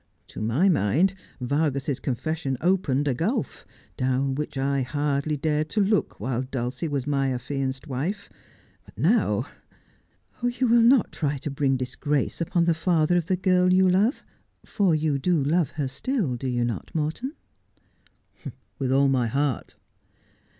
' To my mind Vargas's confession opened a gulf down which I hardly dared to look while Dulcie was my affianced wife. Now '' You will not try to bring disgrace upon the father of the girl you love — for you do love her still, do you not, Morton 1 '' With all my heart.'